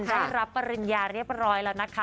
ได้รับปริญญาเรียบร้อยแล้วนะคะ